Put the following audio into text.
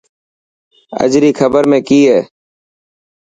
اڄ ري خبر ۾ ڪئي هي؟